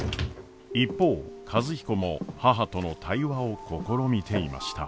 ・一方和彦も母との対話を試みていました。